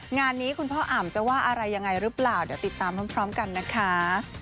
งานนี้คุณพ่ออ่ำจะว่าอะไรยังไงหรือเปล่าเดี๋ยวติดตามพร้อมกันนะคะ